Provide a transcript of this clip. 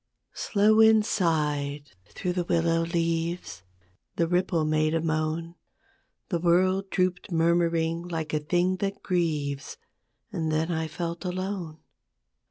Slow wind sighed through the willow leaves, The ripple made a moan, The world drooped murmuring like a thing that grieves ; And then I felt alone.